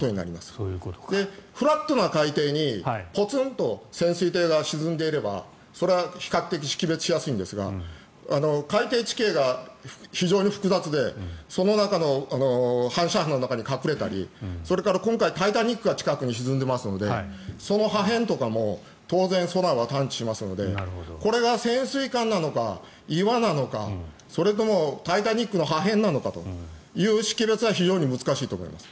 フラットな海底にポツンと潜水艇が沈んでいれば比較的特定しやすいんですが海底地形が非常に複雑でその中の反射角の中に隠れたりそれから今回「タイタニック」が近くに沈んでいますのでその破片とかも当然、ソナーは探知しますのでこれが潜水艦なのか岩なのかそれとも「タイタニック」の破片なのかという識別は非常に難しいと思います。